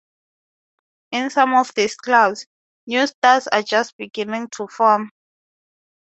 In some of these clouds, new stars are just beginning to form.